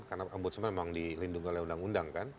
karena ombudsman memang dilindungi oleh undang undang kan